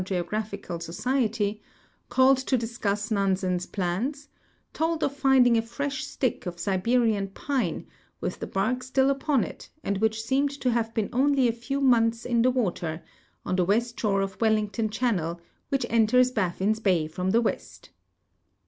eogra|)hical Society called to discuss 08 NANSEX'S POLAR EXPEDITION Nansen's plans, told of finding a fresh stick of Siberian pine, with the bark still upon it and which seemed to have been only a few months in the water, on the west shore of Wellington channel, which enters Baffin's hay from the west.